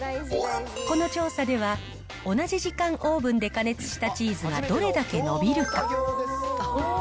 この調査では、同じ時間、オーブンで加熱したチーズがどれだけ伸びるか。